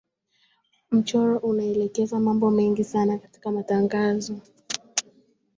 mchoro unaelekeza mambo mengi sana katika matangazo